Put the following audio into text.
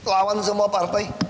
lawan semua partai